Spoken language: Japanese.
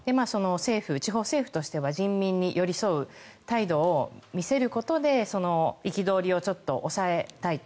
地方政府としては人民に寄り添う態度を見せることで憤りをちょっと抑えたいと。